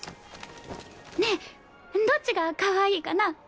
ねえどっちがかわいいかな？